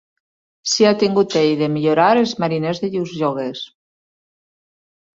Sia tingut ell de millorar els mariners de llurs lloguers.